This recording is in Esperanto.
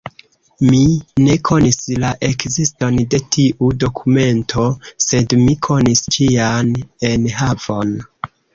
Mi ne konis la ekziston de tiu dokumento, sed mi konis ĝian enhavon.